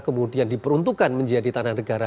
kemudian diperuntukkan menjadi tanah negara